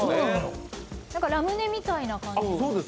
ラムネみたいな感じで。